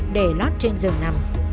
để lót trên giường nằm